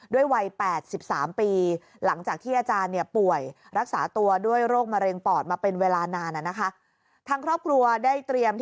ด้วยวัย๘๓ปีหลังจากที่อาจารย์ป่วย